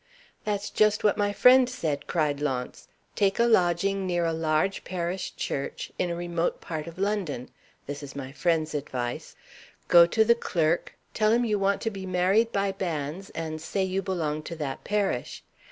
"That's just what my friend said," cried Launce. "'Take a lodging near a large parish church, in a remote part of London' (this is my friend's advice) 'go to the clerk, tell him you want to be married by banns, and say you belong to that parish.